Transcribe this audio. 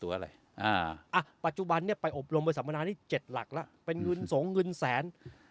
อ่าปัจจุบันเนี่ยไปอบรมบริษัทมนาณี่๗หลักละเป็นเงินสองเงินแสน